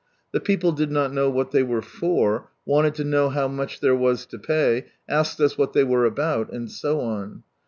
The people did not know what they were for, wanted to know how much there was to pay, asked us what they were about, and so on.